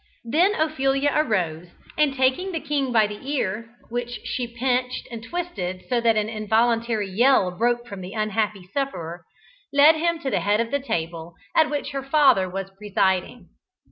Then Ophelia arose, and taking the king by the ear (which she pinched and twisted so that an involuntary yell broke from the unhappy sufferer), led him to the head of the table at which her father was presiding.